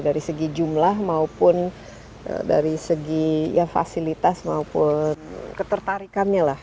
dari segi jumlah maupun dari segi fasilitas maupun ketertarikannya lah